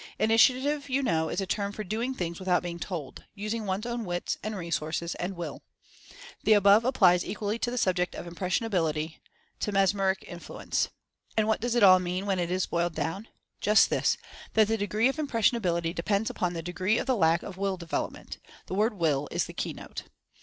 'Initiative,' you know, is a term for 'doing things without being told' — using one's own wits, and resources, and WILL." The above applies equally to the subject of "impressionability" to mes jo Mental Fascination meric influence. And what does it all mean when it is "boiled down"? Just this — that the degree of "im pressionability" depends upon the degree of the lack of Will Development. The word WILL is the key note!